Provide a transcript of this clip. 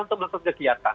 untuk melakukan kegiatan